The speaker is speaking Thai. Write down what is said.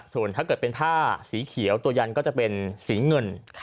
ส่วนถ้าเกิดเป็นผ้าสีเขียวตัวยันก็จะเป็นสีเงิน